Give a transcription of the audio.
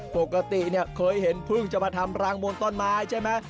ปกติเนี่ยเคยเห็นพึ่งจะมาทำรังมนต้นไม้ใช่ไหม